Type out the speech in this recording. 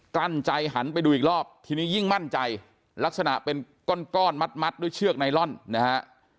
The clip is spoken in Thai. ลั้นใจหันไปดูอีกรอบทีนี้ยิ่งมั่นใจลักษณะเป็นก้อนมัดด้วยเชือกไนลอนนะฮะ